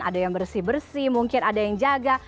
ada yang bersih bersih mungkin ada yang jaga